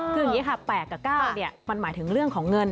คืออย่างนี้ค่ะ๘กับ๙มันหมายถึงเรื่องของเงิน